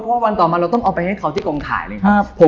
เพราะวันต่อมาเราต้องเอาไปให้เขาที่กองถ่ายเลยครับ